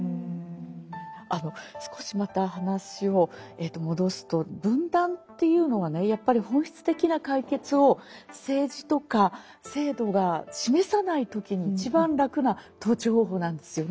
少しまた話を戻すと分断っていうのはねやっぱり本質的な解決を政治とか制度が示さない時に一番楽な統治方法なんですよね。